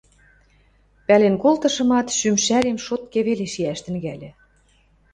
Пӓлен колтышымат, шӱм шӓрем шотке веле шиӓш тӹнгӓльӹ.